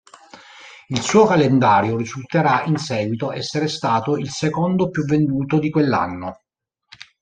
Il suo calendario risulterà in seguito essere stato il secondo più venduto di quell'anno.